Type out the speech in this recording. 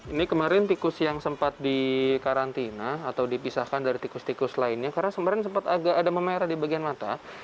ini kemarin tikus yang sempat dikarantina atau dipisahkan dari tikus tikus lainnya karena kemarin sempat agak ada memerah di bagian mata